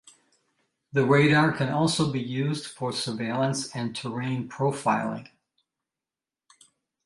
The radar can also be used for surveillance and terrain profiling.